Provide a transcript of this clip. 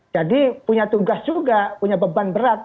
jadi punya tugas juga punya beban berat